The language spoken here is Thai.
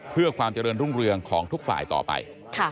เพื่อความเจริญรุ่งเรืองของทุกฝ่ายต่อไป